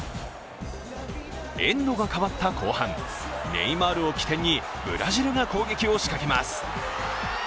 エンドが変わった後半、ネイマールを起点にブラジルが攻撃を仕掛けます。